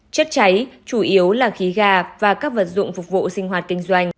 chất cháy chủ yếu là khí ga và các vật dụng phục vụ sinh hoạt kinh doanh